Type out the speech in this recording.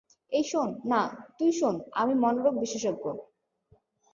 এই শোন-- -না, তুই শোন আমি মনোরোগ বিশেষজ্ঞ।